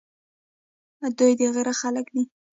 دوی د غره خلک دي.